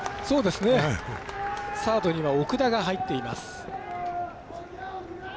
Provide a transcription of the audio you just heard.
サードには奥田が入っています。